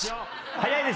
早いですよ。